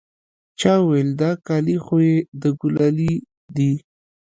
چا وويل دا کالي خو يې د ګلالي دي.